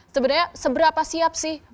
sebenarnya seberapa siap sih